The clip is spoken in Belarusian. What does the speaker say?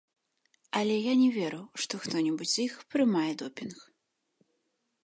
Але я не веру, што хто-небудзь з іх прымае допінг.